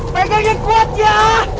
pegangnya kuat ya